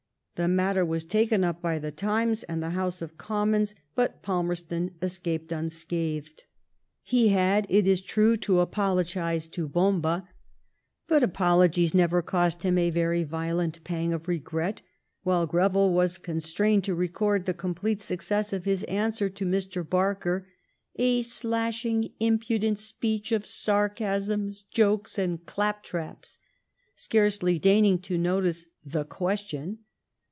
The matter waa taken up by the Times, and in the House of Commons^ but Palmerston escaped unscathed. He had^ it is true, ta apologise to Bomba, but apologies never cost him a very violent pang of regret ; while Greville was constrained to record the complete success of his answer to Mr. Barker, a slashing, impudent speech, of sarcasms^ jd^es^ and clap traps," scarcely deigning to notice the question.